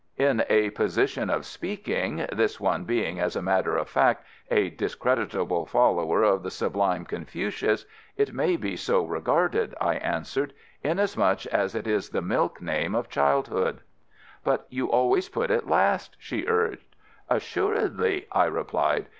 "In a position of speaking this one being as a matter of fact a discreditable follower of the sublime Confucius it may be so regarded," I answered, "inasmuch as it is the milk name of childhood." "But you always put it last," she urged. "Assuredly," I replied.